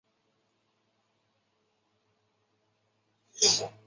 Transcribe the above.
深裂叶黄芩为唇形科黄芩属下的一个种。